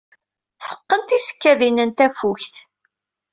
Teqqen tisekkadin n tafukt.